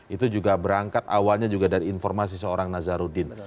itu juga berangkat awalnya juga dari informasi seorang nazarudin